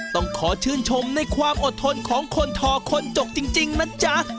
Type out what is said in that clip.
ต้องขอชื่นชมในความอดทนของคนทอคนจกจริงนะจ๊ะ